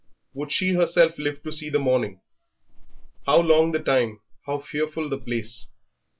Would she herself live to see the morning? How long the time, how fearful the place!